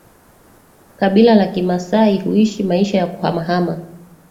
Kabila la Kimasai huishi maisha ya kuhamahama